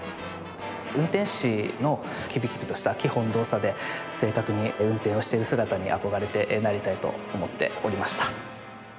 運転士のキビキビとした基本動作で正確に運転をしている姿に憧れてなりたいと思っておりました。